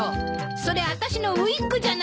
それあたしのウィッグじゃないの！